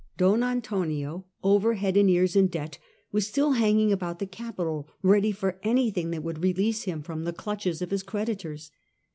Don Antonio, over head and ears in debt, was still hanging about the capital ready for anything that would release him from the clutches of his creditors.